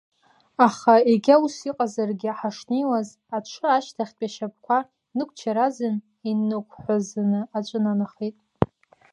Аха, егьа ус иҟазаргьы, ҳашнеиуаз, аҽы ашьҭахьтәи ашьапқәа нықәчаразын, инықәҳәазаны аҿынанахеит.